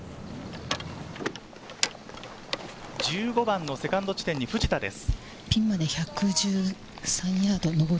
１５番のセカンド地点に藤田です。